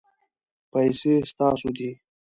پیسې ستاسو دي